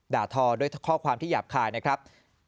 ทอด้วยข้อความที่หยาบคายนะครับ